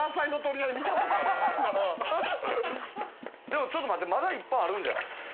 でもちょっと待ってまだいっぱいあるんじゃない？